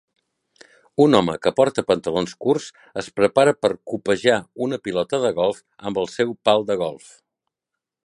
Un home que porta pantalons curts es prepara per copejar una pilota de golf amb el seu pal de golf.